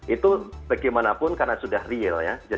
itu bagaimanapun karena sudah real ya